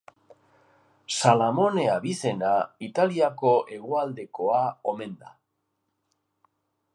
Salamone abizena Italiako hegoaldekoa omen da.